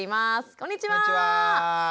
こんにちは。